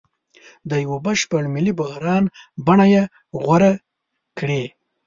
د یوه بشپړ ملي بحران بڼه یې غوره کړې.